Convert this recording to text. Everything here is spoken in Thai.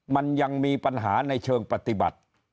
มันยังมีปัญหาในเชิงปฏิบัติ